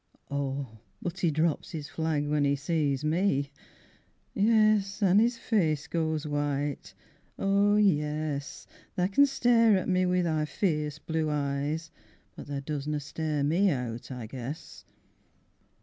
Oh but he drops his flag when 'e sees me, Yes, an' 'is face goes white ... oh yes Tha can stare at me wi' thy fierce blue eyes, But tha doesna stare me out, I guess!